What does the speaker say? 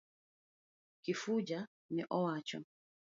Kifuja ne owacho.